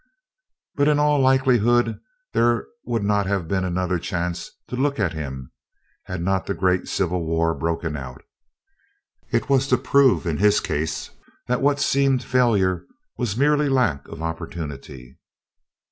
But in all likelihood there would not have been another chance to "look" at him, had not the great Civil War broken out. It was to prove in his case that what seemed failure was merely lack of opportunity.